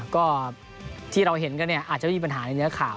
ก็ที่เราเห็นกันเนี่ยอาจจะไม่มีปัญหาในเนื้อข่าว